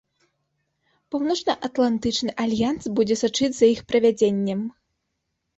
Паўночнаатлантычны альянс будзе сачыць за іх правядзеннем.